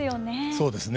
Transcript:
そうですね。